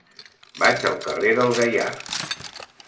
Vaig al carrer del Gaià.